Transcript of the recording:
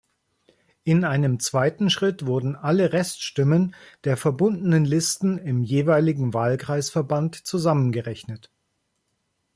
In einem zweiten Schritt wurden alle Reststimmen der verbundenen Listen im jeweiligen "Wahlkreisverband" zusammengerechnet.